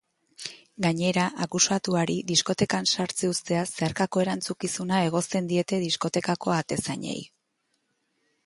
Gainera, akusatuari diskotekan sartze usteaz zeharkako erantzukizuna egozten diete diskotekako atezainei.